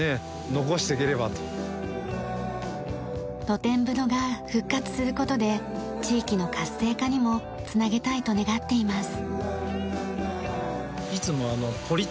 露天風呂が復活する事で地域の活性化にも繋げたいと願っています。